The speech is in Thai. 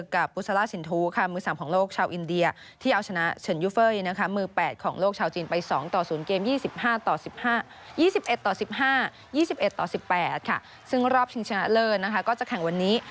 ๒๑๑๕๒๑๑๘ค่ะซึ่งรอบชิงชนะเริลนะคะก็จะแข่งวันนี้